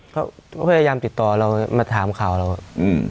เขาพยายามติดต่อเรามาถามข่าวเรา